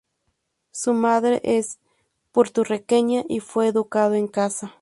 Su madre es puertorriqueña y fue educado en casa.